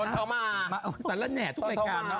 ตอนเช้ามาสำเร็จแน่ทุกรายการค่ะ